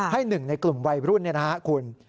หนึ่งในกลุ่มวัยรุ่นนี่นะครับคุณ